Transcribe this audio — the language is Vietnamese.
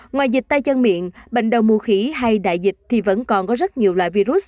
ngoài dịch tay chân miệng bệnh đầu mù khí hay đại dịch thì vẫn còn có rất nhiều loại virus